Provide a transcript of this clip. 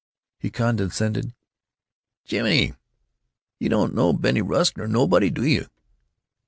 He condescended: "Jiminy! You don't know Bennie Rusk nor nobody, do you!